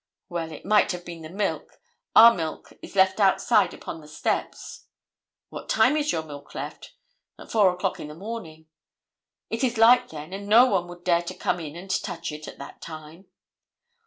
"Well, it might have been the milk; our milk is left outside upon the steps." "What time is your milk left?" "At 4 o'clock in the morning." "It is light then, and no one would dare to come in and touch it at that time."